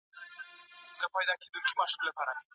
تحقیقي ادب د پوهي سرچینه ده.